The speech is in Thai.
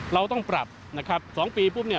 เราต้องปรับนะครับ๒ปีปุ๊บเนี่ย